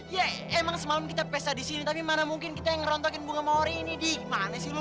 ya emang semalam kita pesta disini tapi mana mungkin kita yang ngerontokin bunga maori ini di mana sih lo